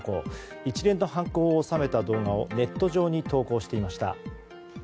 一連の犯行を収めた動画をネット上に投稿していました。